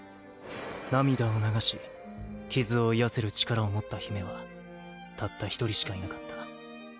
涙を流し傷を癒せる力を持った姫はたった一人しかいなかった。